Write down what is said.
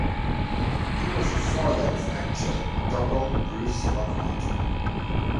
He was the father of actor Dugald Bruce Lockhart.